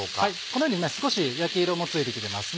このように少し焼き色もついて来てます。